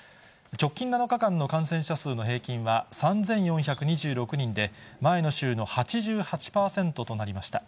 直近７日間の感染者数の平均は３４２６人で、前の週の８８％となりました。